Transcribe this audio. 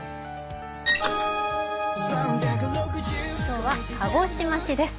今日は鹿児島市です。